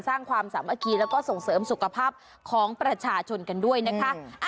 ความสามัคคีแล้วก็ส่งเสริมสุขภาพของประชาชนกันด้วยนะคะ